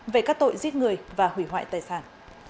về các tội giết người và hủy hoại tài sản